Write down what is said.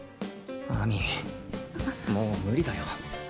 亜美もう無理だよ。